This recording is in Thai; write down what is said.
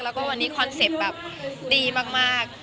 แล้วก็วันนี้คอนเซ็ปต์แบบดีมาก